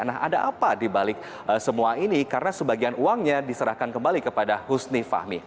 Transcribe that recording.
nah ada apa dibalik semua ini karena sebagian uangnya diserahkan kembali kepada husni fahmi